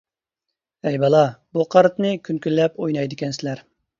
ھەي، بالا، بۇ قارتنى كۈن-كۈنلەپ ئوينايدىكەنسىلەر.